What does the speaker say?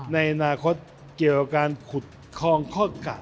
ในอนาคตเกี่ยวกับการขุดคลองข้อกะ